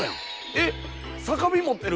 えっ酒瓶持ってる。